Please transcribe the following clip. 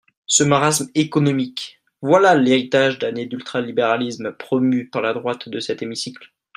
Ce marasme économique, voilà l’héritage d’années d’ultralibéralisme promues par la droite de cet hémicycle.